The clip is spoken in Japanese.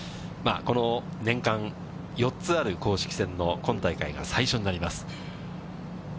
この年間４つある公式戦の、今大会が最初になります。